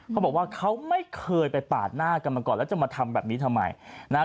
เขาบอกว่าเขาไม่เคยไปปาดหน้ากันมาก่อนแล้วจะมาทำแบบนี้ทำไม